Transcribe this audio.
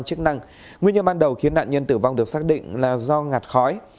cảm ơn các bạn đã theo dõi và hẹn gặp lại